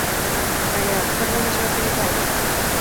Baina, zer den asmatzerik bai?